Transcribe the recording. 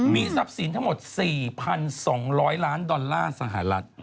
มีทั้งหมด๔๒๐๐ล้านดอลลาร์สหรัฐ